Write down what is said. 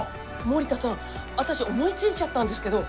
森田さんあたし思いついちゃったんですけど